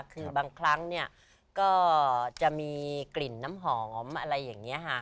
คือบางครั้งเนี่ยก็จะมีกลิ่นน้ำหอมอะไรอย่างนี้ค่ะ